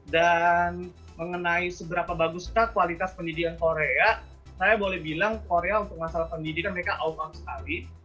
dan mengenai seberapa baguskah kualitas pendidikan korea saya boleh bilang korea untuk masalah pendidikan mereka awal sekali